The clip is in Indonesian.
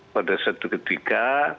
pada suatu ketika